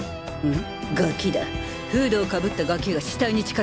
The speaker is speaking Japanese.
ん？